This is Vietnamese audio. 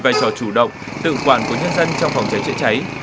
vai trò chủ động tự quản của nhân dân trong phòng cháy chữa cháy